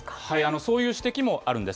そういう指摘もあるんです。